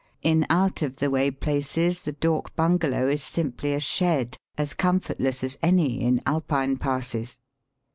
In out of the way places the dak bungalow is simply a shed, as com fortless as any in Alpine passes.